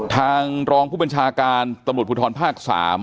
ทางรองผู้บัญชาการตรภูทรภูทรภาคสาม